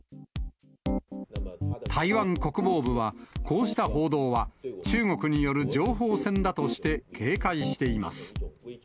台湾国防部は、こうした報道は中国による情報戦だとして、警戒しています。